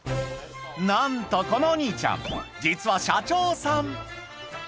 なんとこのお兄ちゃん実は社長さん